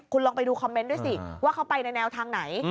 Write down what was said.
คุณลองไปดูคอมเมนต์ด้วยสิว่าเขาไปในแนวทางไหน